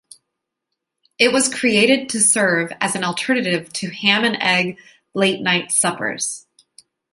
It was created to serve as an alternative to ham and egg late-night suppers.